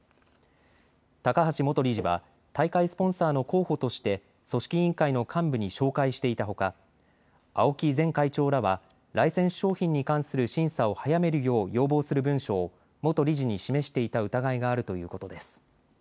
高橋元理事は大会スポンサーの候補として組織委員会の幹部に紹介していたほか青木前会長らはライセンス商品に関する審査を早めるよう要望する文書を元理事に示していた疑いがあるということです。